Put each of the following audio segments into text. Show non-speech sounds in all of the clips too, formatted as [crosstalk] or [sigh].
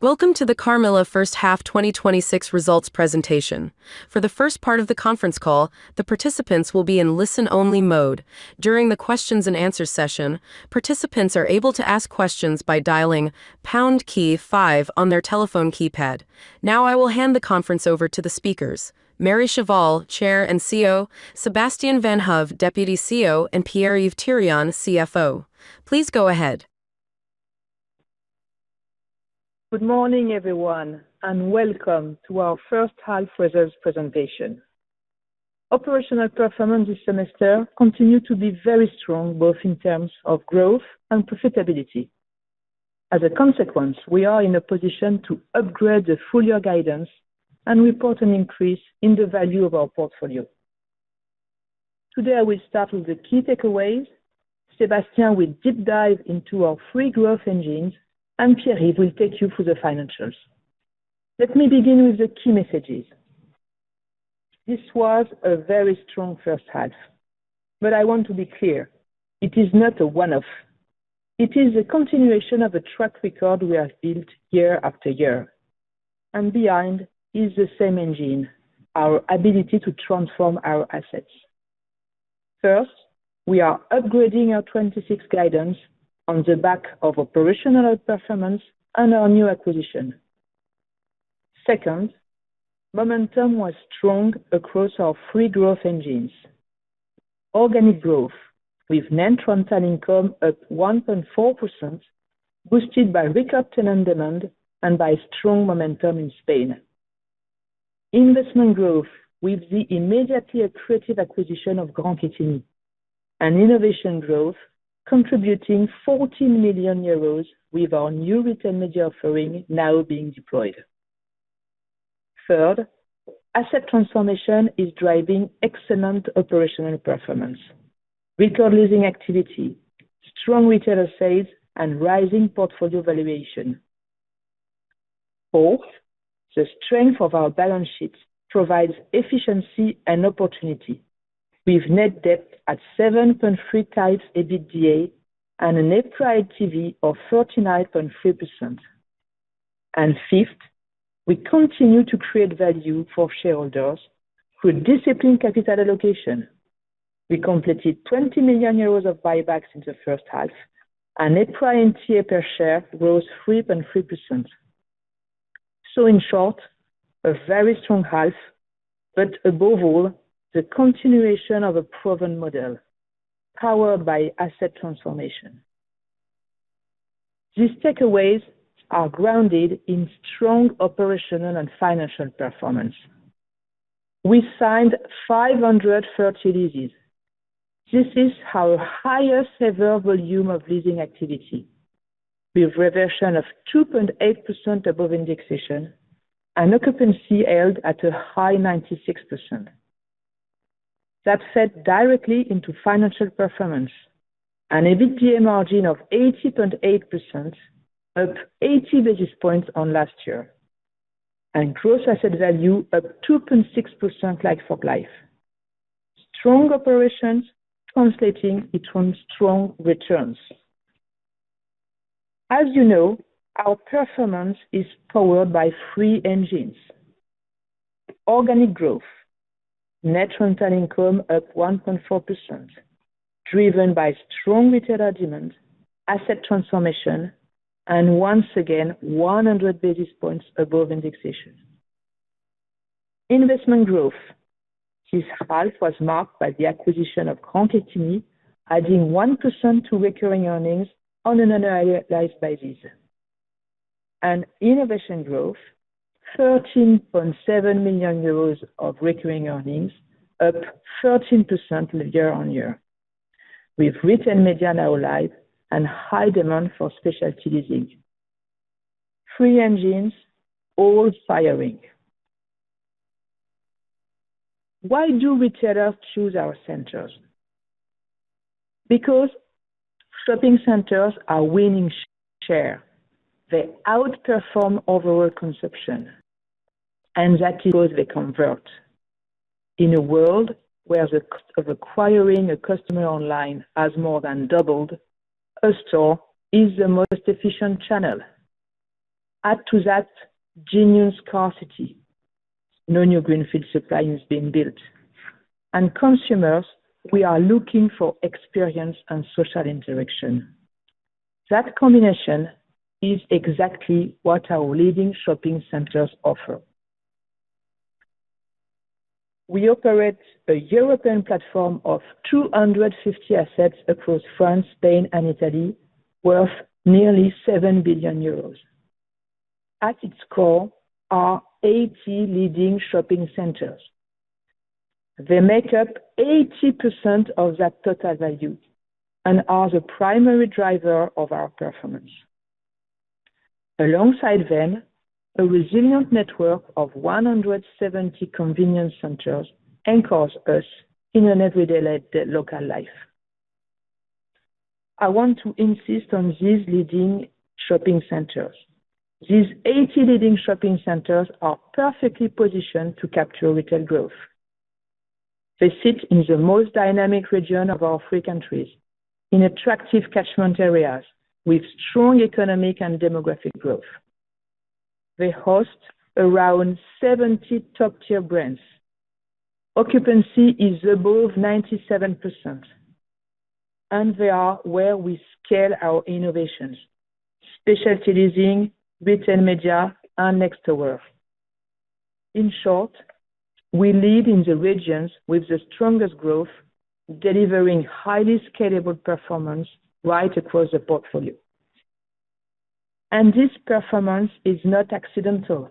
Welcome to the Carmila first half 2026 results presentation. For the first part of the conference call, the participants will be in listen-only mode. During the questions and answers session, participants are able to ask questions by dialing pound key five on their telephone keypad. Now I will hand the conference over to the speakers, Marie Cheval, Chair and CEO, Sébastien Vanhoove, Deputy CEO, and Pierre-Yves Thirion, CFO. Please go ahead. Good morning, everyone. Welcome to our first half results presentation. Operational performance this semester continued to be very strong, both in terms of growth and profitability. We are in a position to upgrade the full year guidance and report an increase in the value of our portfolio. Today, I will start with the key takeaways. Sébastien will deep dive into our three growth engines. Pierre-Yves will take you through the financials. Let me begin with the key messages. This was a very strong first half. I want to be clear, it is not a one-off. It is a continuation of a track record we have built year after year. Behind is the same engine, our ability to transform our assets. First, we are upgrading our 2026 guidance on the back of operational outperformance and our new acquisition. Second, momentum was strong across our three growth engines. Organic growth, with net rental income up 1.4%, boosted by recovered tenant demand and by strong momentum in Spain. Investment growth with the immediately accretive acquisition of Grand Quetigny. Innovation growth contributing 40 million euros with our new Retail Media offering now being deployed. Third, asset transformation is driving excellent operational performance, record leasing activity, strong retailer sales, and rising portfolio valuation. Fourth, the strength of our balance sheet provides efficiency and opportunity with net debt at 7.3x EBITDA and a EPRA LTV of 39.3%. Fifth, we continue to create value for shareholders through disciplined capital allocation. We completed 20 million euros of buybacks in the first half. Net profit per share rose 3.3%. In short, a very strong half. Above all, the continuation of a proven model powered by asset transformation. These takeaways are grounded in strong operational and financial performance. We signed 530 leases. This is our highest ever volume of leasing activity with reversion of 2.8% above indexation and occupancy held at a high 96%. That fed directly into financial performance. EBITDA margin of 80.8%, up 80 basis points on last year, and gross asset value up 2.6% like for like. Strong operations translating into strong returns. As you know, our performance is powered by three engines. Organic growth, net rental income up 1.4%, driven by strong retailer demand, asset transformation, and once again, 100 basis points above indexation. Investment growth this half was marked by the acquisition of Grand Quetigny, adding 1% to recurring earnings on an annualized basis. Innovation growth, 13.7 million euros of recurring earnings, up 13% year-on-year with Retail Media now live and high demand for Specialty Leasing. Three engines all firing. Why do retailers choose our centers? Shopping centers are winning share. They outperform overall consumption and that includes the convert. In a world where the cost of acquiring a customer online has more than doubled, a store is the most efficient channel. Add to that genius scarcity, no new greenfield supply is being built, and consumers who are looking for experience and social interaction. That combination is exactly what our leading shopping centers offer. We operate a European platform of 250 assets across France, Spain, and Italy, worth nearly 7 billion euros. At its core are 80 leading shopping centers. They make up 80% of that total value and are the primary driver of our performance. Alongside them, a resilient network of 170 convenience centers anchors us in an everyday local life. I want to insist on these leading shopping centers. These 80 leading shopping centers are perfectly positioned to capture retail growth. They sit in the most dynamic region of our three countries, in attractive catchment areas with strong economic and demographic growth. They host around 70 top-tier brands. Occupancy is above 97%, and they are where we scale our innovations, Specialty Leasing, Retail Media, and Next Tower. We lead in the regions with the strongest growth, delivering highly scalable performance right across the portfolio. This performance is not accidental.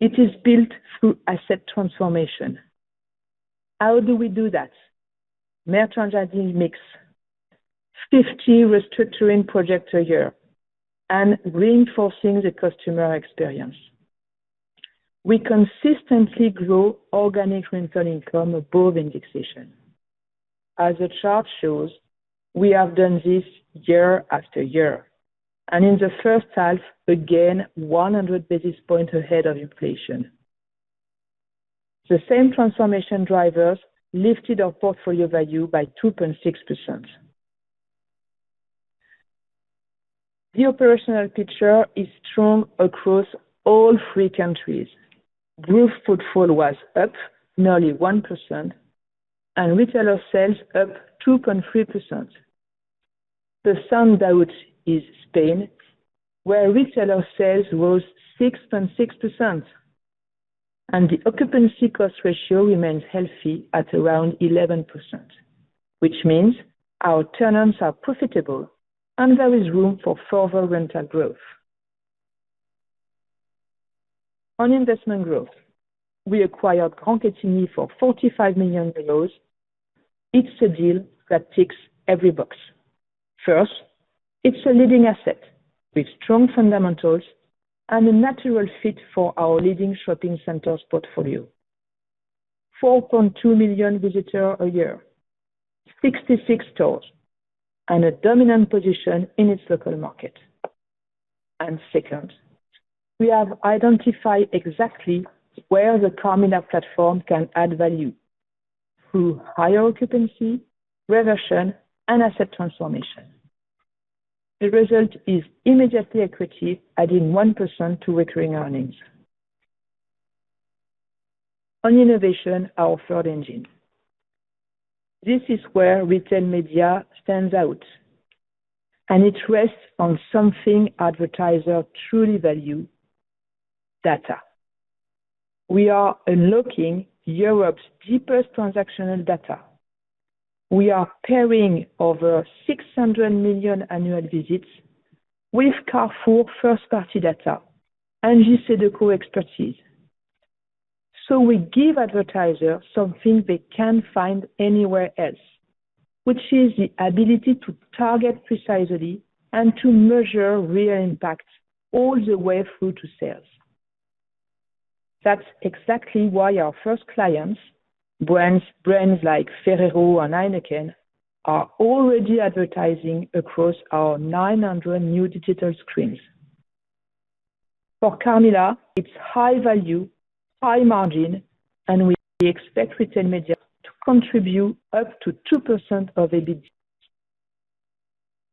It is built through asset transformation. How do we do that? Merchandising mix, 50 restructuring projects a year, and reinforcing the customer experience. We consistently grow organic recurring income above indexation. As the chart shows, we have done this year after year, and in the first half again, 100 basis points ahead of inflation. The same transformation drivers lifted our portfolio value by 2.6%. The operational picture is strong across all three countries. Group footfall was up nearly 1%, and retailer sales up 2.3%. The standout is Spain, where retailer sales rose 6.6% and the occupancy cost ratio remains healthy at around 11%, which means our tenants are profitable and there is room for further rental growth. On investment growth, we acquired Grand Quetigny for 45 million euros. It's a deal that ticks every box. First, it's a leading asset with strong fundamentals and a natural fit for our leading shopping centers portfolio. 4.2 million visitors a year, 66 stores, and a dominant position in its local market. Second, we have identified exactly where the Carmila platform can add value through higher occupancy, reversion, and asset transformation. The result is immediate equity, adding 1% to recurring earnings. On innovation, our third engine. This is where Retail Media stands out, and it rests on something advertisers truly value: data. We are unlocking Europe's deepest transactional data. We are pairing over 600 million annual visits with Carrefour first-party data and JCDecaux co-expertise. We give advertisers something they can't find anywhere else, which is the ability to target precisely and to measure real impact all the way through to sales. That's exactly why our first clients, brands like Ferrero and Heineken, are already advertising across our 900 new digital screens. For Carmila, it's high value, high margin, and we expect Retail Media to contribute up to 2% of EBITDA.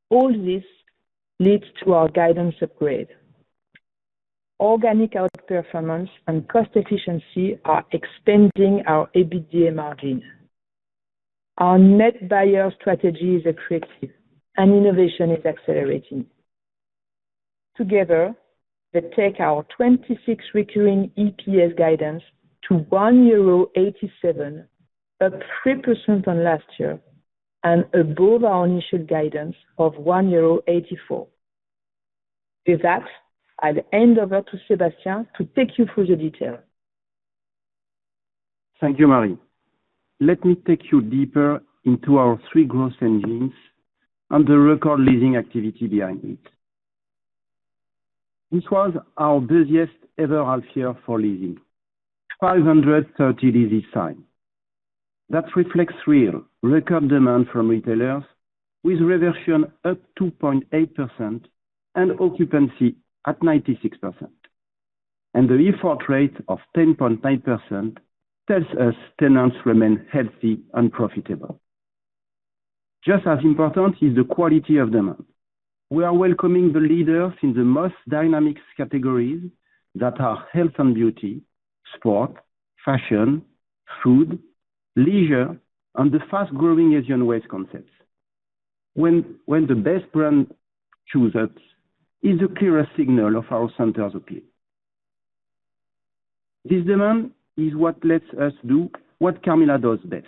All this leads to our guidance upgrade. Organic outperformance and cost efficiency are extending our EBITDA margin. Our net buyer strategy is attractive, and innovation is accelerating. Together, they take our 2026 recurring EPS guidance to 1.87 euro, up 3% on last year and above our initial guidance of 1.84 euro. With that, I'll hand over to Sébastien to take you through the detail. Thank you, Marie. Let me take you deeper into our three growth engines and the record leasing activity behind it. This was our busiest ever half year for leasing, 530 leases signed. That reflects real record demand from retailers, with reversion up 2.8% and occupancy at 96%. The default rate of 10.9% tells us tenants remain healthy and profitable. Just as important is the quality of demand. We are welcoming the leaders in the most dynamic categories that are health and beauty, sport, fashion, food, leisure, and the fast-growing Asian taste concepts. When the best brands choose us, it's the clearest signal of how centers appeal. This demand is what lets us do what Carmila does best,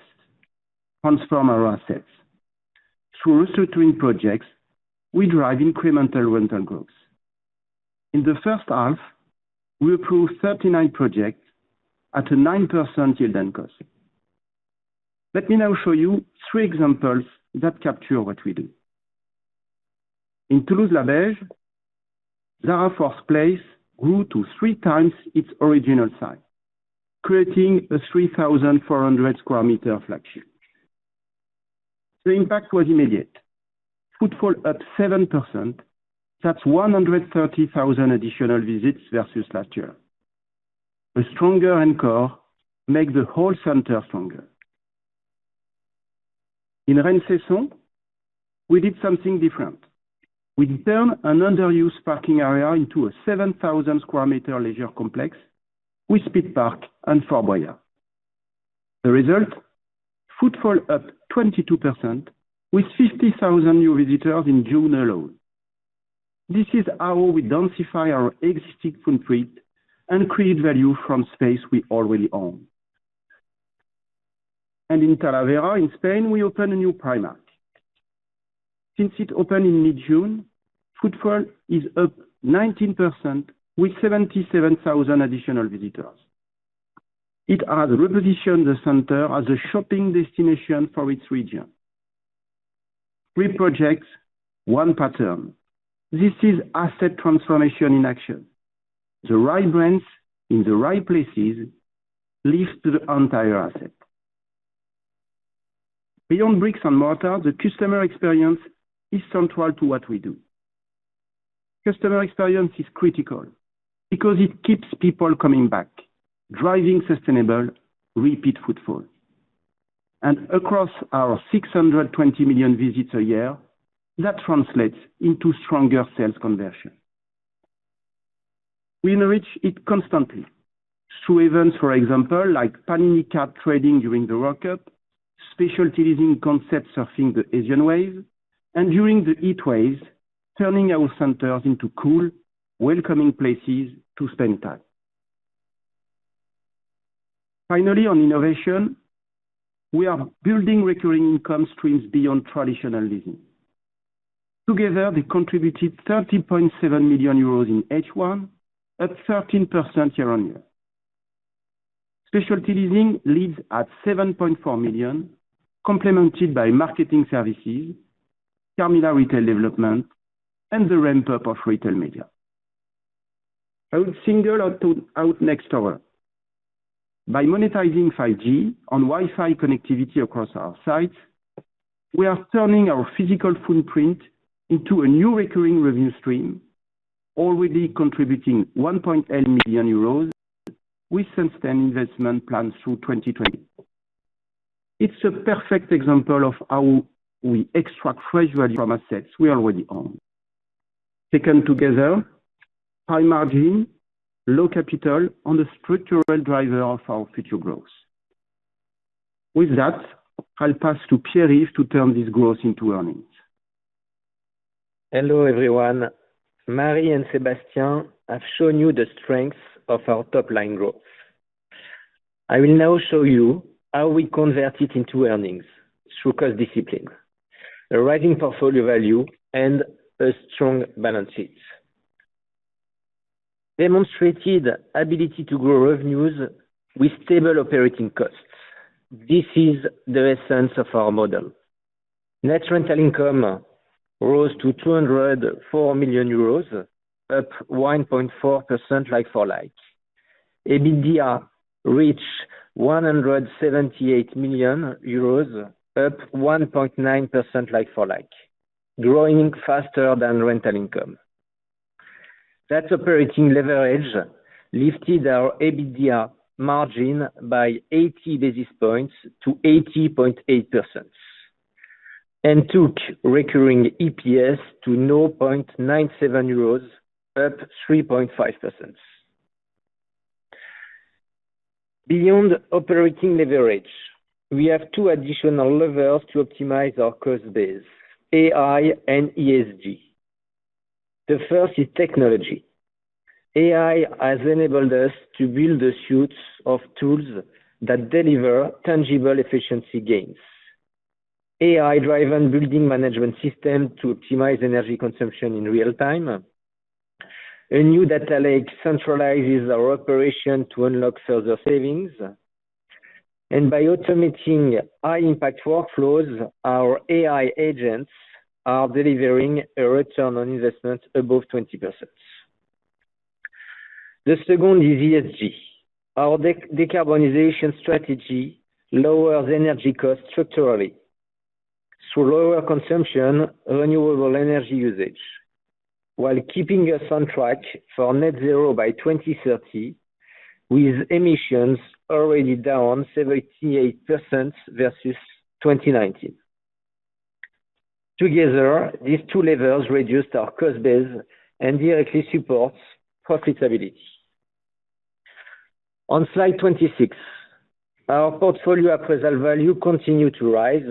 transform our assets. Through restructuring projects, we drive incremental rental growth. In the first half, we approved 39 projects at a 9% yield and cost. Let me now show you three examples that capture what we do. In Toulouse Labège, Zara first place grew to three times its original size, creating a 3,400 sq meter flagship. The impact was immediate. Footfall up 7%. That's 130,000 additional visits versus last year. A stronger anchor makes the whole center stronger. In Rennes Cesson, we did something different. We turned an underused parking area into a 7,000 sq meter leisure complex with Speed Park and Fort Boyard Adventures. The result, footfall up 22% with 50,000 new visitors in June alone. This is how we densify our existing footprint and create value from space we already own. In Talavera, in Spain, we opened a new Primark. Since it opened in mid-June, footfall is up 19% with 77,000 additional visitors. It has repositioned the center as a shopping destination for its region. Three projects, one pattern. This is asset transformation in action. The right brands in the right places lifts the entire asset. Beyond bricks and mortar, the customer experience is central to what we do. Customer experience is critical because it keeps people coming back, driving sustainable repeat footfall. Across our 620 million visits a year, that translates into stronger sales conversion. We enrich it constantly through events, for example, like Panini card trading during the World Cup, Specialty Leasing concepts surfing the Asian wave, and during the heat waves, turning our centers into cool, welcoming places to spend time. Finally, on innovation, we are building recurring income streams beyond traditional leasing. Together, they contributed 13.7 million euros in H1, up 13% year-on-year. Specialty Leasing leads at 7.4 million, complemented by marketing services, Carmila Retail Development, and the ramp-up of Retail Media. I will single out Next Tower. By monetizing 5G on Wi-Fi connectivity across our sites, we are turning our physical footprint into a new recurring revenue stream, already contributing 1.8 million euros with substantial investment plans through 2030. It's a perfect example of how we extract fresh value from assets we already own. Taken together, high margin, low capital are the structural driver of our future growth. With that, I'll pass to Pierre to turn this growth into earnings. Hello, everyone. Marie and Sébastien have shown you the strength of our top-line growth. I will now show you how we convert it into earnings through cost discipline, a rising portfolio value, and a strong balance sheet. Demonstrated ability to grow revenues with stable operating costs. This is the essence of our model. Net rental income rose to 204 million euros, up 1.4% like-for-like. EBITDA reached 178 million euros, up 1.9% like-for-like, growing faster than rental income. That operating leverage lifted our EBITDA margin by 80 basis points to 80.8% and took recurring EPS to 0.97 euros, up 3.5%. Beyond operating leverage, we have two additional levers to optimize our cost base, AI and ESG. The first is technology. AI has enabled us to build a suite of tools that deliver tangible efficiency gains. AI-driven building management system to optimize energy consumption in real time. A new data lake centralizes our operation to unlock further savings. By automating high-impact workflows, our AI agents are delivering a return on investment above 20%. The second is ESG. Our decarbonization strategy lowers energy costs structurally through lower consumption renewable energy usage while keeping us on track for net zero by 2030, with emissions already down 78% versus 2019. Together, these two levers reduced our cost base and directly supports profitability. On slide 26, our portfolio appraisal value continued to rise.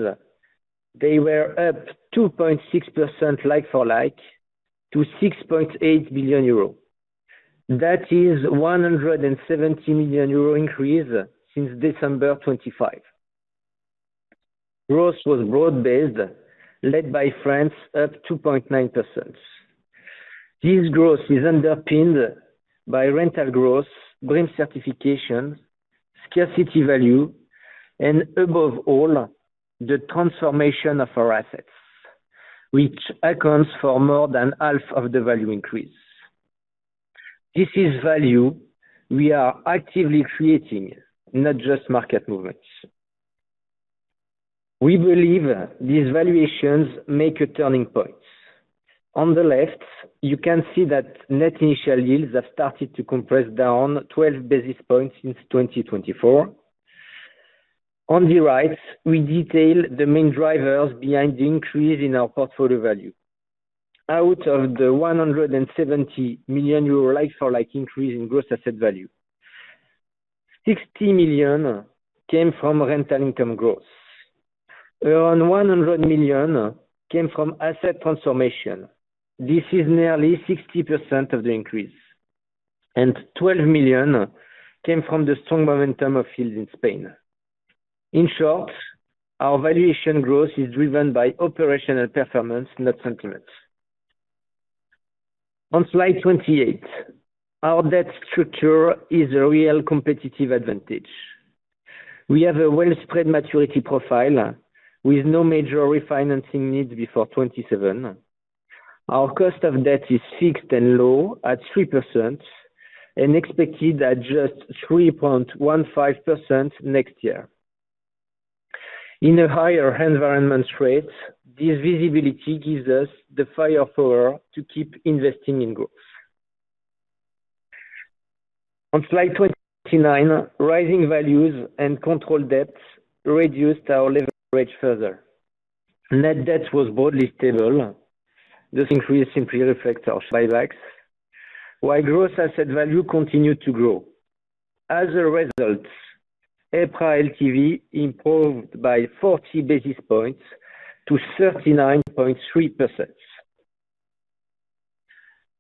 They were up 2.6% like-for-like to 6.8 billion euro. That is 170 million euro increase since December 2025. Growth was broad-based, led by France, up 2.9%. This growth is underpinned by rental growth, green certifications, scarcity value, and above all, the transformation of our assets, which accounts for more than half of the value increase. This is value we are actively creating, not just market movements. We believe these valuations make a turning point. On the left, you can see that net initial yields have started to compress down 12 basis points since 2024. On the right, we detail the main drivers behind the increase in our portfolio value. Out of the 170 million euro like-for-like increase in gross asset value, 60 million came from rental income growth. Around 100 million came from asset transformation. This is nearly 60% of the increase. 12 million came from the strong momentum of yields in Spain. In short, our valuation growth is driven by operational performance, not sentiment. On slide 28, our debt structure is a real competitive advantage. We have a well-spread maturity profile with no major refinancing needs before 2027. Our cost of debt is fixed and low at 3% and expected at just 3.15% next year. In a higher environment rate, this visibility gives us the firepower to keep investing in growth. On slide 29, rising values and controlled debts reduced our leverage further. Net debt was broadly stable. This increase simply reflects our buybacks, while growth asset value continued to grow. As a result, EPRA LTV improved by 40 basis points to 39.3%.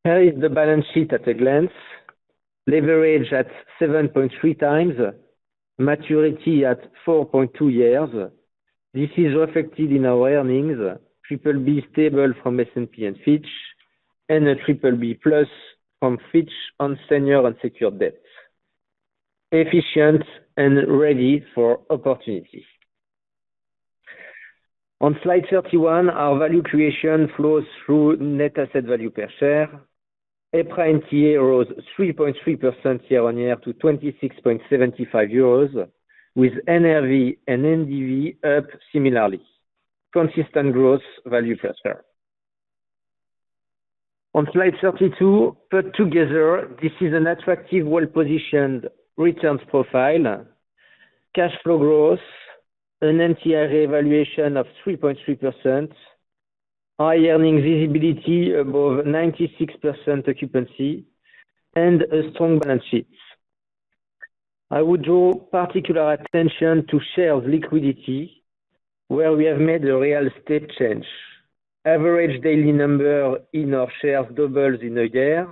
Here is the balance sheet at a glance. Leverage at 7.3 times, maturity at 4.2 years. This is reflected in our earnings. BBB stable from S&P and Fitch, and a BBB+ from Fitch on senior unsecured debts. Efficient and ready for opportunity. On slide 31, our value creation flows through net asset value per share. EPRA NTA rose 3.3% year-on-year to 26.75 euros, with NAV and NDV up similarly. Consistent growth value per share. On slide 32, put together, this is an attractive, well-positioned returns profile. Cash flow growth, an NTA valuation of 3.3%, high earnings visibility above 96% occupancy, and a strong balance sheet. I would draw particular attention to shares liquidity, where we have made a real step change. Average daily number in our shares doubles in a year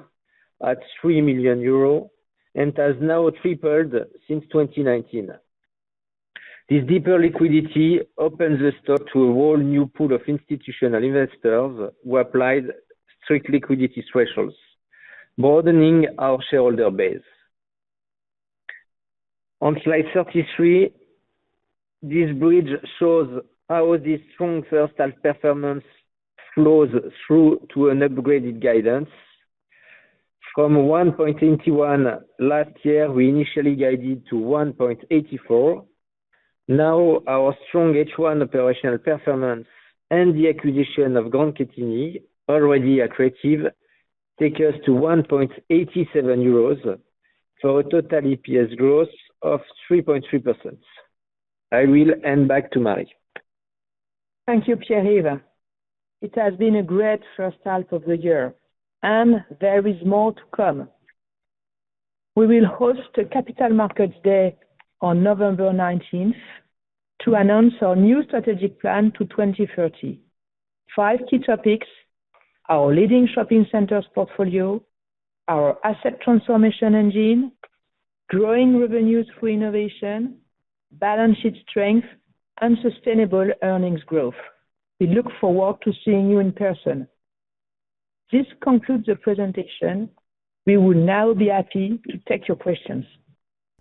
at 3 million euros and has now tripled since 2019. This deeper liquidity opens the stock to a whole new pool of institutional investors who applied strict liquidity thresholds, broadening our shareholder base. On slide 33, this bridge shows how this strong first half performance flows through to an upgraded guidance. From 1.81 last year, we initially guided to 1.84. Now, our strong H1 operational performance and the acquisition of Grand Quetigny, already accretive, take us to 1.87 euros for a total EPS growth of 3.3%. I will hand back to Marie. Thank you, Pierre-Yves. It has been a great first half of the year, and there is more to come. We will host a Capital Markets Day on November 19th to announce our new strategic plan to 2030. Five key topics, our leading shopping centers portfolio, our asset transformation engine, growing revenues through innovation, balance sheet strength, and sustainable earnings growth. We look forward to seeing you in person. This concludes the presentation. We will now be happy to take your questions.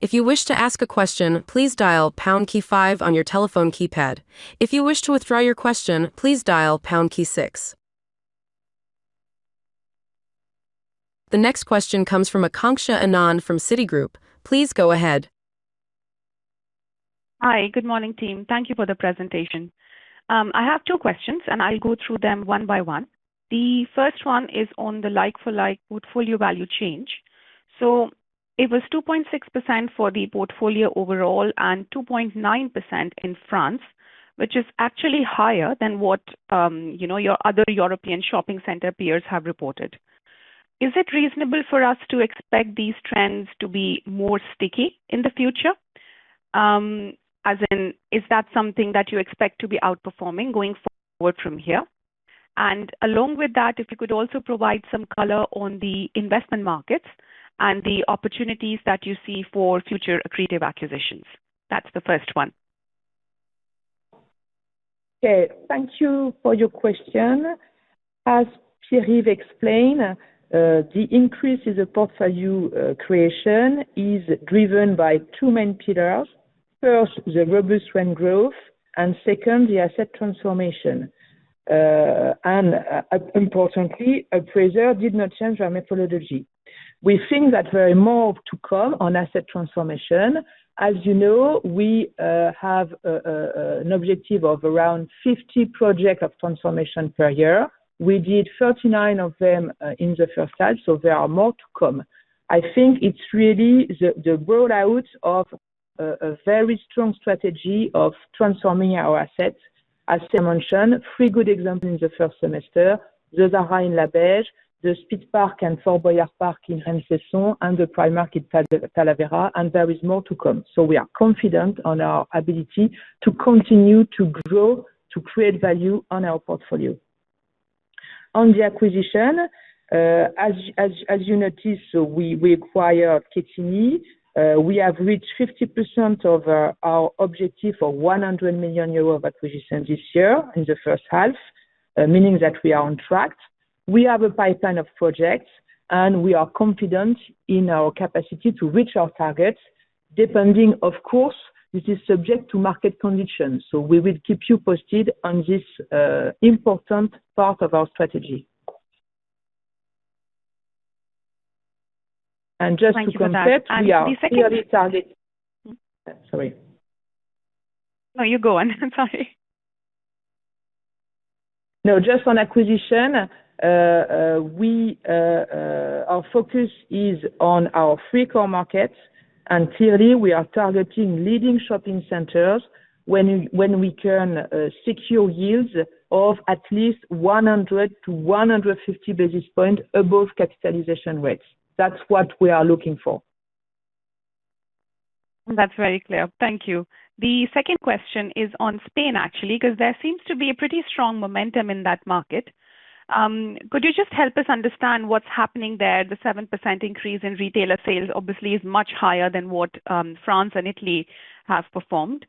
If you wish to ask a question, please dial pound key five on your telephone keypad. If you wish to withdraw your question, please dial pound key six. The next question comes from Aakanksha Anand from Citigroup. Please go ahead. Hi. Good morning, team. Thank you for the presentation. I have two questions, and I'll go through them one by one. The first one is on the like-for-like portfolio value change. It was 2.6% for the portfolio overall and 2.9% in France, which is actually higher than what your other European shopping center peers have reported. Is it reasonable for us to expect these trends to be more sticky in the future? As in, is that something that you expect to be outperforming going forward from here? Along with that, if you could also provide some color on the investment markets and the opportunities that you see for future accretive acquisitions. That's the first one. Okay. Thank you for your question. As Pierre-Yves explained, the increase in the portfolio creation is driven by two main pillars. First, the robust rent growth, Second, the asset transformation. Importantly, appraiser did not change our methodology. We think that there are more to come on asset transformation. As you know, we have an objective of around 50 projects of transformation per year. We did 39 of them in the first half, there are more to come. I think it's really the rollout of a very strong strategy of transforming our assets. As Sébastien mentioned, three good examples in the first semester, the Zara in Toulouse Labège, the Speed Park and Fort Boyard Adventures in Rennes Cesson, and the Primark in Talavera. There is more to come. We are confident on our ability to continue to grow, to create value on our portfolio. On the acquisition, as you notice, we acquire Quetigny. We have reached 50% of our objective of 100 million euros of acquisition this year in the first half, meaning that we are on track. We have a pipeline of projects, we are confident in our capacity to reach our targets, depending, of course, this is subject to market conditions. We will keep you posted on this important part of our strategy. Thank you for that. Sorry. No, you go on. Sorry. No, just on acquisition, our focus is on our three core markets. Clearly we are targeting leading shopping centers when we can secure yields of at least 100 basis points-150 basis points above capitalization rates. That's what we are looking for. That's very clear. Thank you. The second question is on Spain, actually, because there seems to be a pretty strong momentum in that market. Could you just help us understand what's happening there? The 7% increase in retailer sales obviously is much higher than what France and Italy have performed.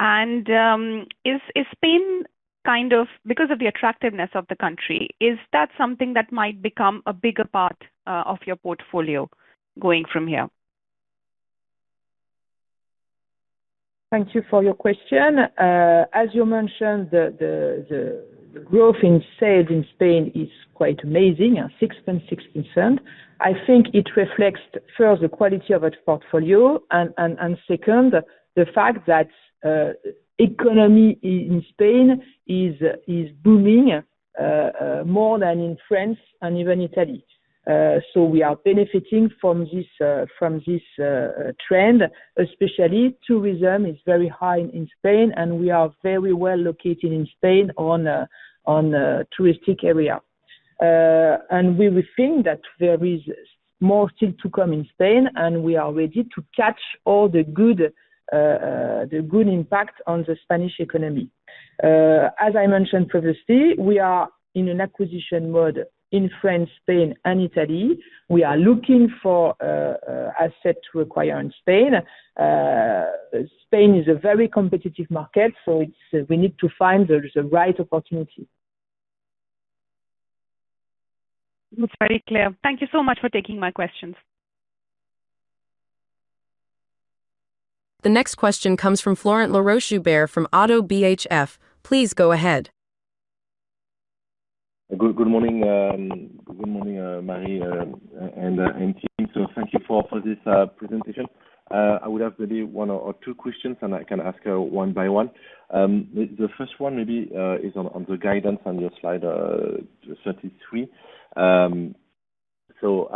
Is Spain, because of the attractiveness of the country, is that something that might become a bigger part of your portfolio going from here? Thank you for your question. As you mentioned, the growth in sales in Spain is quite amazing, at 6.6%. I think it reflects, first, the quality of that portfolio. Second, the fact that economy in Spain is booming more than in France and even Italy. We are benefiting from this trend, especially tourism is very high in Spain. We are very well located in Spain on a touristic area. We think that there is more still to come in Spain. We are ready to catch all the good impact on the Spanish economy. As I mentioned previously, we are in an acquisition mode in France, Spain, and Italy. We are looking for asset to acquire in Spain. Spain is a very competitive market. We need to find the right opportunity. It's very clear. Thank you so much for taking my questions. The next question comes from Florent Laroche-Joubert from ODDO BHF. Please go ahead. Good morning, Marie and team. Thank you for this presentation. I would have maybe one or two questions, and I can ask one by one. The first one maybe is on the guidance on your slide 33.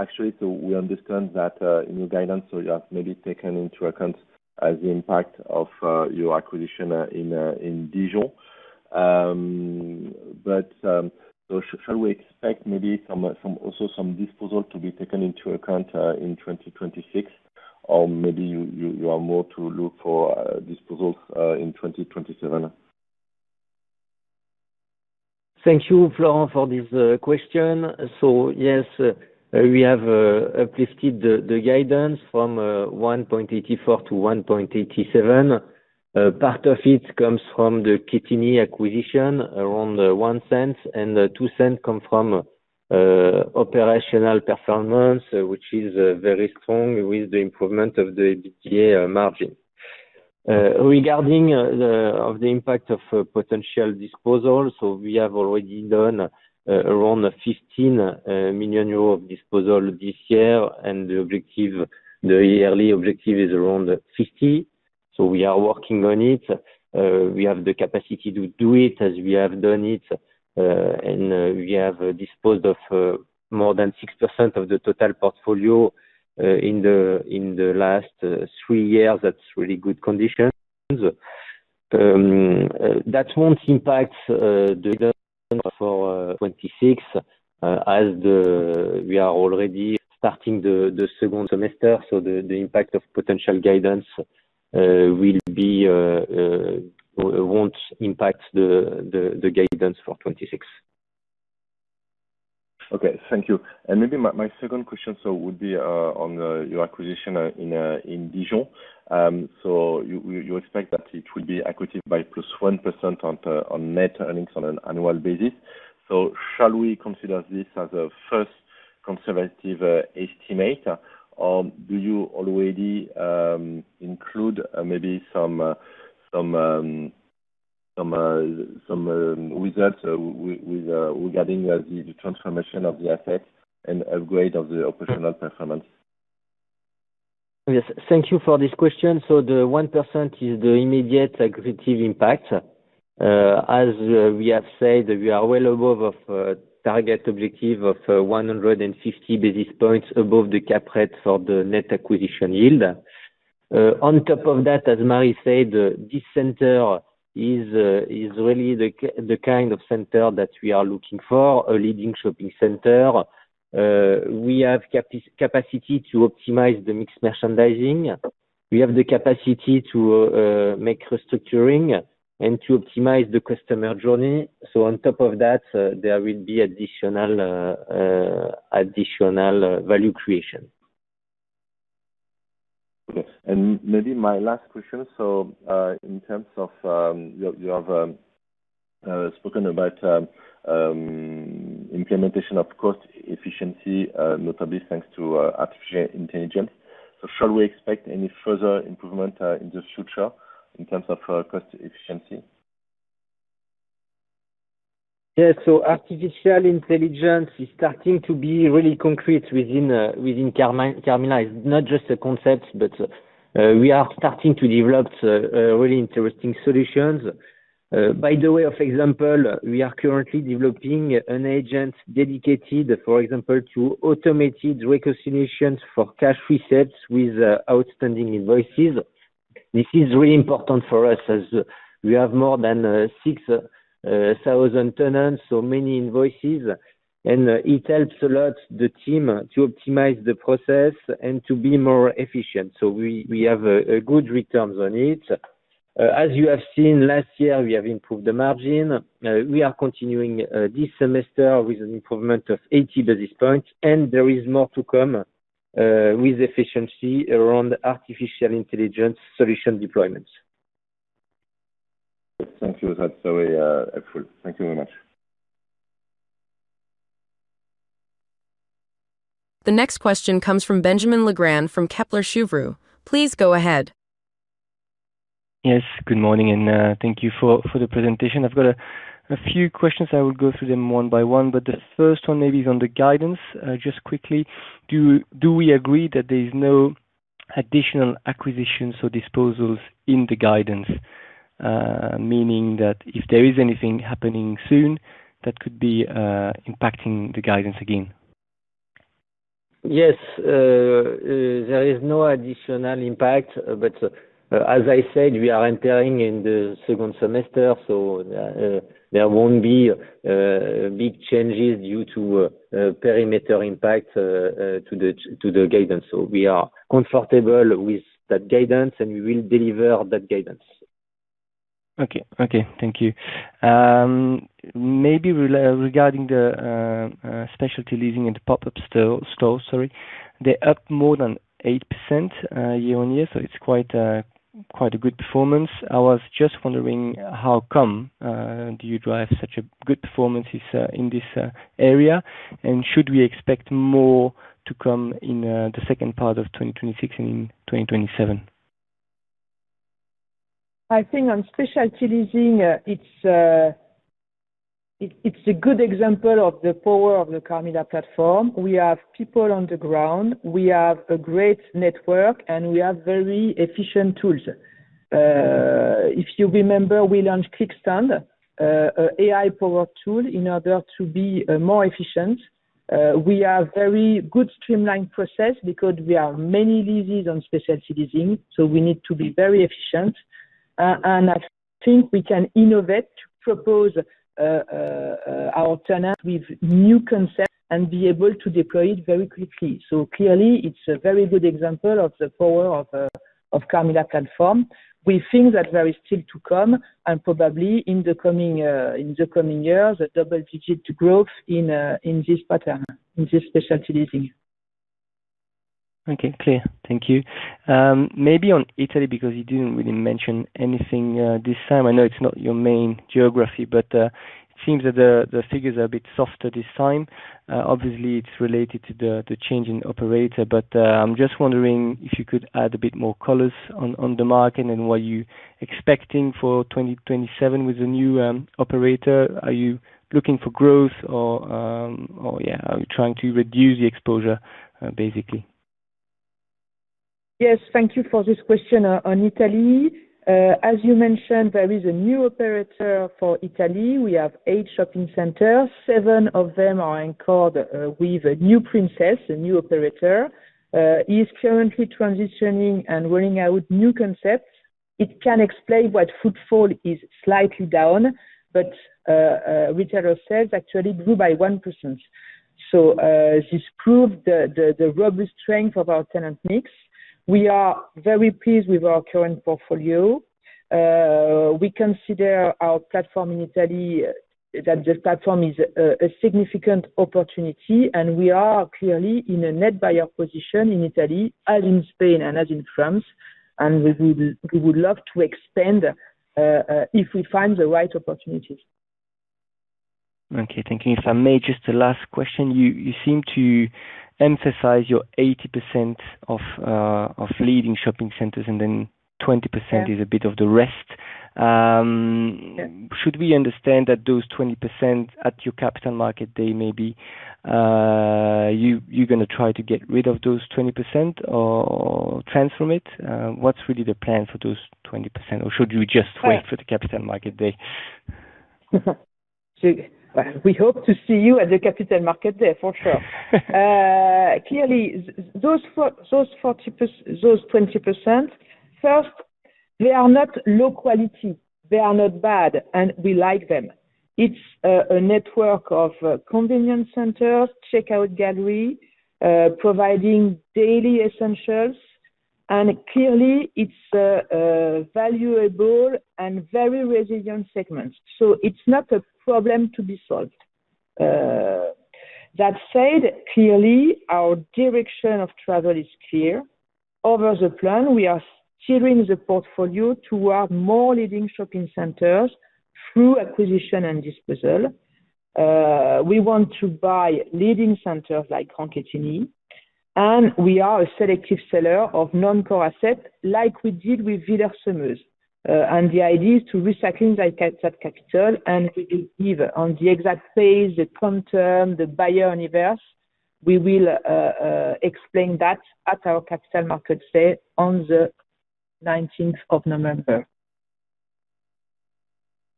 Actually, we understand that in your guidance, you have maybe taken into account the impact of your acquisition in Dijon. Shall we expect maybe also some disposal to be taken into account in 2026? Maybe you are more to look for disposals in 2027? Thank you, Florent, for this question. Yes, we have uplifted the guidance from 1.84 to 1.87. Part of it comes from the Quetigny acquisition, around 0.01, and 0.02 come from operational performance, which is very strong with the improvement of the EBITDA margin. Regarding of the impact of potential disposal, we have already done around 15 million euros of disposal this year, and the yearly objective is around 50 million. We are working on it. We have the capacity to do it as we have done it, and we have disposed of more than 6% of the total portfolio in the last three years. That's really good conditions. That won't impact the guidance for 2026, as we are already starting the second semester, the impact of potential guidance won't impact the guidance for 2026. Okay, thank you. My second question would be on your acquisition in Dijon. You expect that it will be accretive by +1% on net earnings on an annual basis. Shall we consider this as a first conservative estimate, or do you already include maybe some results regarding the transformation of the assets and upgrade of the operational performance? Yes. Thank you for this question. The 1% is the immediate accretive impact. As we have said, we are well above of target objective of 150 basis points above the cap rate for the net acquisition yield. On top of that, as Marie said, this center is really the kind of center that we are looking for, a leading shopping center. We have capacity to optimize the mixed merchandising. We have the capacity to make restructuring and to optimize the customer journey. On top of that, there will be additional value creation. Yes. Maybe my last question. In terms of, you have spoken about implementation of cost efficiency, notably thanks to artificial intelligence. Shall we expect any further improvement in the future in terms of cost efficiency? Yes. Artificial intelligence is starting to be really concrete within Carmila. It's not just a concept, but we are starting to develop really interesting solutions. By the way, for example, we are currently developing an agent dedicated, for example, to automated reconciliations for cash resets with outstanding invoices. This is really important for us as we have more than 6,000 tenants, many invoices, and it helps a lot the team to optimize the process and to be more efficient. We have good returns on it. As you have seen, last year, we have improved the margin. We are continuing this semester with an improvement of 80 basis points, and there is more to come with efficiency around artificial intelligence solution deployments. Thank you, that's very helpful. Thank you very much. The next question comes from Benjamin Legrand from Kepler Cheuvreux. Please go ahead. Yes. Good morning, thank you for the presentation. I've got a few questions. I will go through them one by one. The first one maybe is on the guidance. Just quickly, do we agree that there's no additional acquisitions or disposals in the guidance? Meaning that if there is anything happening soon, that could be impacting the guidance again. Yes. There is no additional impact, as I said, we are entering in the second semester, there won't be big changes due to perimeter impact to the guidance. We are comfortable with that guidance, we will deliver that guidance. Okay. Thank you. Maybe regarding the Specialty Leasing and pop-up store. They're up more than 8% year-on-year, it's quite a good performance. I was just wondering, how come? Do you drive such a good performances in this area and should we expect more to come in the second part of 2026 and in 2027? I think on Specialty Leasing, it's a good example of the power of the Carmila platform. We have people on the ground, we have a great network, and we have very efficient tools. If you remember, we launched ClickStand, AI-powered tool in order to be more efficient. We have very good streamlined process because we have many leases on Specialty Leasing, so we need to be very efficient. I think we can innovate to propose our tenant with new concepts and be able to deploy it very quickly. Clearly, it's a very good example of the power of Carmila platform. We think that there is still to come and probably in the coming year, the double-digit growth in this pattern, in this Specialty Leasing. Okay. Clear. Thank you. Maybe on Italy because you didn't really mention anything this time. I know it's not your main geography, but it seems that the figures are a bit softer this time. Obviously, it's related to the change in operator, but I'm just wondering if you could add a bit more colors on the market and what you're expecting for 2027 with the new operator. Are you looking for growth or are you trying to reduce the exposure, basically? Yes. Thank you for this question on Italy. As you mentioned, there is a new operator for Italy. We have eight shopping centers. Seven of them are anchored with a new principal, a new operator. He is currently transitioning and rolling out new concepts. It can explain why footfall is slightly down, but retailer sales actually grew by 1%. This proved the robust strength of our tenant mix. We are very pleased with our current portfolio. We consider our platform in Italy, that the platform is a significant opportunity, and we are clearly in a net buyer position in Italy, as in Spain and as in France. We would love to expand if we find the right opportunities. Okay, thank you. If I may, just the last question, you seem to emphasize your 80% of leading shopping centers and then 20% is a bit of the rest. Yeah. Should we understand that those 20% at your Capital Market Day maybe you're going to try to get rid of those 20% or transform it? What's really the plan for those 20% or should we just wait for the Capital Market Day? We hope to see you at the Capital Market Day for sure. Those 20%, first, they are not low quality, they are not bad, and we like them. It's a network of convenience centers, checkout gallery, providing daily essentials, and clearly it's a valuable and very resilient segment. It's not a problem to be solved. That said, clearly, our direction of travel is clear. Over the plan, we are steering the portfolio toward more leading shopping centers through acquisition and disposal. We want to buy leading centers like Roncadelle, and we are a selective seller of non-core assets like we did with Villers-Semeuse. The idea is to recycling that capital and either on the exact phase, the term, the buyer universe, we will explain that at our Capital Market Day on the November 19th.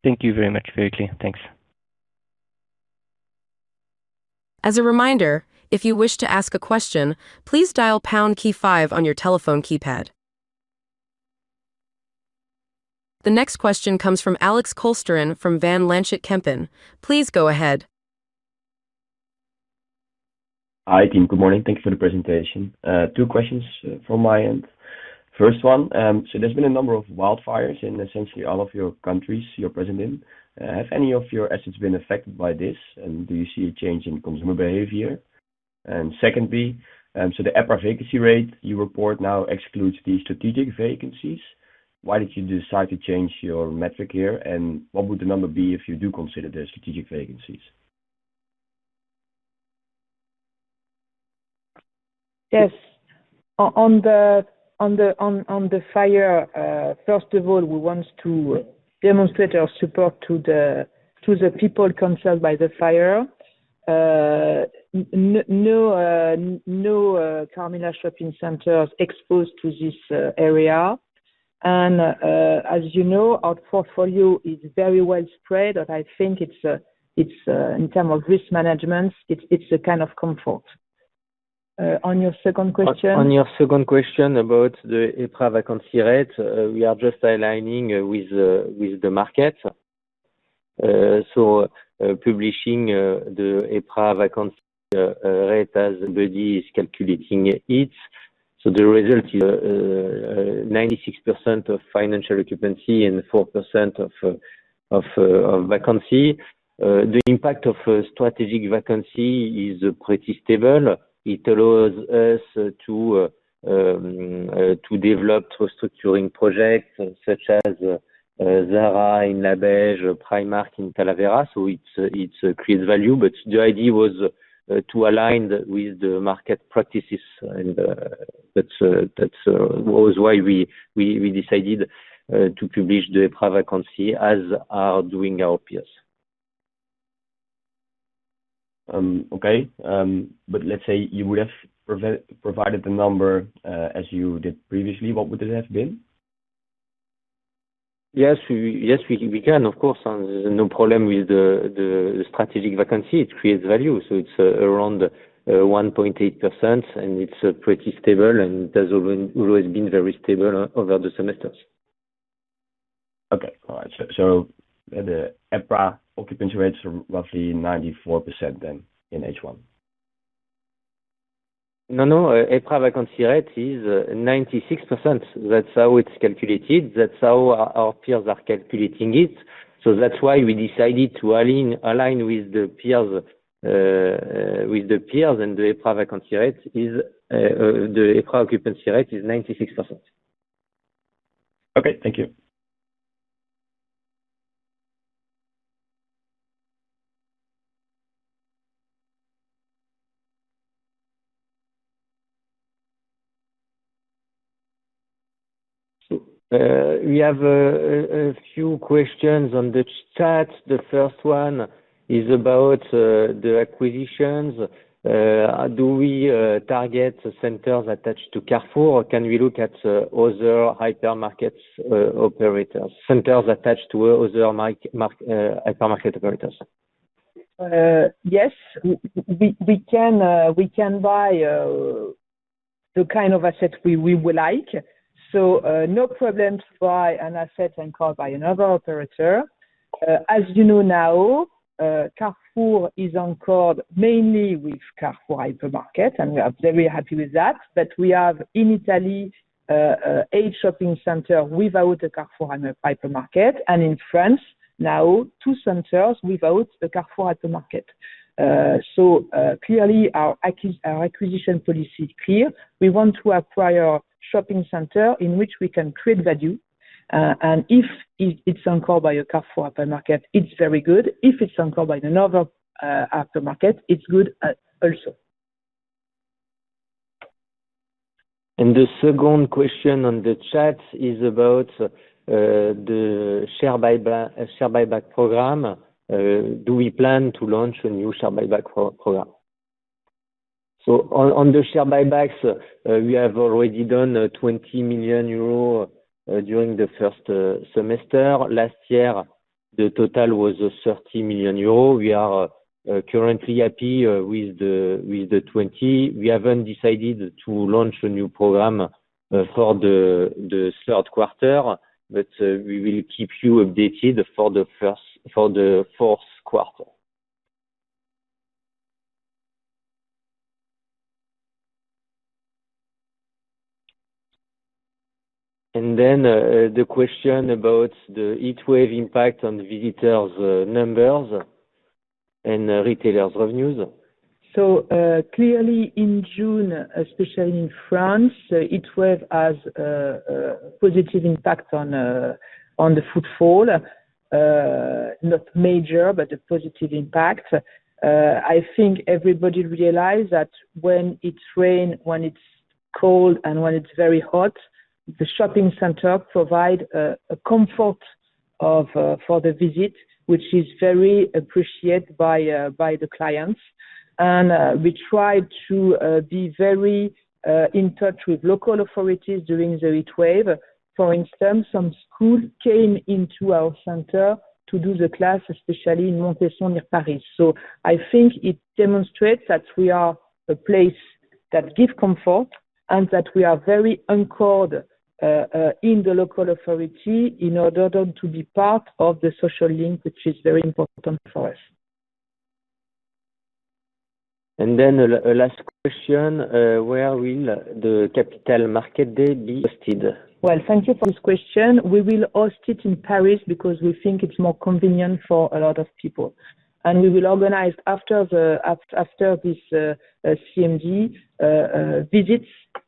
Thank you very much, Marie and team. Thanks. As a reminder, if you wish to ask a question, please dial pound key five on your telephone keypad. The next question comes from Alex Kolsteren from Van Lanschot Kempen. Please go ahead. Hi, team. Good morning. Thank you for the presentation. Two questions from my end. First one, there's been a number of wildfires in essentially all of your countries you're present in. Have any of your assets been affected by this and do you see a change in consumer behavior? Secondly, the EPRA vacancy rate you report now excludes the strategic vacancies. Why did you decide to change your metric here? What would the number be if you do consider the strategic vacancies? Yes. On the fire, first of all, we want to demonstrate our support to the people concerned by the fire. No Carmila shopping centers exposed to this area. As you know, our portfolio is very well spread and I think in term of risk management, it's a kind of comfort. On your second question- On your second question about the EPRA vacancy rate, we are just aligning with the market. Publishing the EPRA vacancy rate as everybody is calculating it. The result is 96% of financial occupancy and 4% of vacancy. The impact of strategic vacancy is pretty stable. It allows us to develop restructuring projects such as Zara in Labège, Primark in Talavera. It creates value, but the idea was to align with the market practices and that was why we decided to publish the vacancy as are doing our peers. Let's say you would have provided the number as you did previously, what would it have been? Yes, we can, of course, there's no problem with the strategic vacancy. It creates value. It's around 1.8% and it's pretty stable and has always been very stable over the semesters. Okay. All right. The EPRA occupancy rates are roughly 94% then in H1? No, EPRA vacancy rate is 96%. That's how it's calculated. That's how our peers are calculating it. That's why we decided to align with the peers and the EPRA occupancy rate is 96%. Okay, thank you. We have a few questions on the chat. The first one is about the acquisitions. Do we target centers attached to Carrefour or can we look at other hypermarket operators, centers attached to other hypermarket operators? Yes, we can buy the kind of asset we will like. No problems to buy an asset anchored by another operator. As you know now, Carrefour is anchored mainly with Carrefour hypermarket and we are very happy with that. But we have in Italy eight shopping center without a Carrefour hypermarket and in France now two centers without a Carrefour hypermarket. Clearly our acquisition policy is clear. We want to acquire shopping center in which we can create value. If it's anchored by a Carrefour hypermarket, it's very good. If it's anchored by another hypermarket, it's good also. The second question on the chat is about the share buyback program. Do we plan to launch a new share buyback program? On the share buybacks, we have already done 20 million euros during the first semester. Last year, the total was 30 million euros. We are currently happy with the 20 million. We haven't decided to launch a new program for the third quarter, but we will keep you updated for the fourth quarter. Then the question about the heatwave impact on visitors' numbers and retailers' revenues. Clearly in June, especially in France, heatwave has a positive impact on the footfall. Not major, but a positive impact. I think everybody realized that when it's rain, when it's cold, and when it's very hot, the shopping center provide a comfort for the visit, which is very appreciated by the clients. We try to be very in touch with local authorities during the heatwave. For instance, some schools came into our center to do the class, especially in Montesson Paris. I think it demonstrates that we are a place that give comfort and that we are very anchored in the local authority in order to be part of the social link, which is very important for us. A last question, where will the Capital Market Date be hosted? Thank you for this question. We will host it in Paris because we think it's more convenient for a lot of people. We will organize after this CMD visit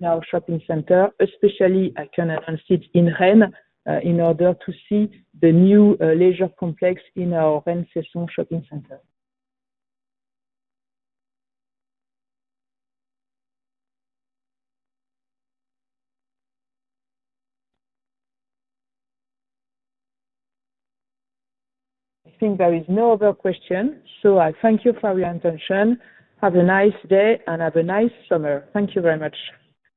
our shopping center, especially at, [inaudible] in order to see the new leisure complex in our Rennes Cesson shopping center. I think there is no other question. I thank you for your attention. Have a nice day. Have a nice summer. Thank you very much